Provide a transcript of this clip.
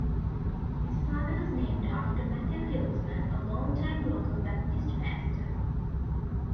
His father was named after Matthew Hillsman, a long-time local Baptist pastor.